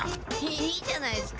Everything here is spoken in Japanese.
いいじゃないっすか。